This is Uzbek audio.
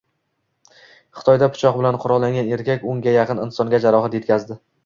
Xitoyda pichoq bilan qurollangan erkak o‘nga yaqin insonga jarohat yetkazdi